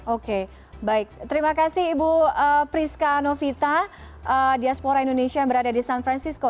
oke baik terima kasih ibu priska novita diaspora indonesia yang berada di san francisco